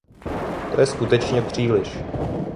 To je skutečně příliš.